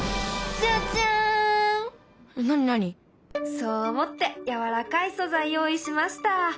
そう思ってやわらかい素材用意しました。